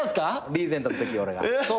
リーゼントのとき俺が。